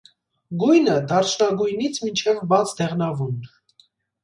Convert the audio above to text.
Գույնը՝ դարչնագույնից մինչև բացդեղնավուն։